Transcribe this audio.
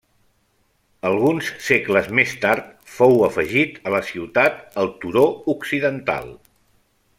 Alguns segles més tard fou afegit a la ciutat el turó occidental.